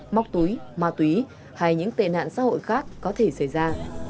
móc túi ma túy hay những tệ nạn xã hội khác có thể xảy ra